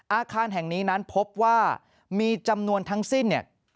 อาคารแห่งนี้นั้นพบว่ามีจำนวนทั้งสิ้นเนี่ย